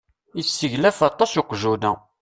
Iseglaf aṭas uqjun-a.